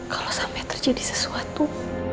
kalau sampai terjadi sesuatu